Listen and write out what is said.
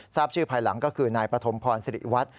ทราบชื่อภายหลังก็คือนายปฐมพรสิริวัตร